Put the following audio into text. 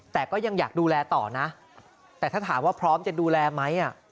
แต่ก็ยังอยากดูแลต่อนะแต่ถ้าถามว่าพร้อมจะดูแลไหม